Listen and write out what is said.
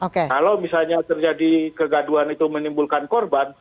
kalau misalnya terjadi kegaduan itu menimbulkan korban